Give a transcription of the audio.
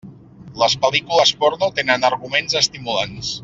Les pel·lícules porno tenen arguments estimulants.